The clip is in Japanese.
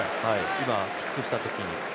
今、キックした時に。